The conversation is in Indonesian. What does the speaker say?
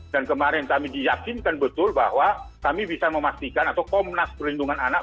dan kemarin kami diyakinkan betul bahwa kami bisa memastikan atau komnas perlindungan anak